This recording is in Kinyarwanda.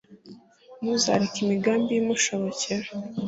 ntuzareke imigambi ye imushobokera